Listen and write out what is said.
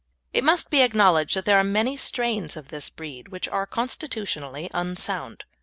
It must be acknowledged that there are many strains of this breed which are constitutionally unsound.